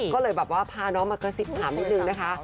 ก็เลยแบบว่าพาน้องมากระซิบถามนิดนึงนะคะ